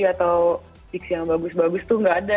atau diksi yang bagus bagus tuh gak ada